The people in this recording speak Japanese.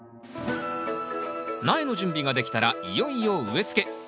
苗の準備ができたらいよいよ植えつけ。